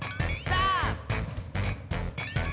さあ！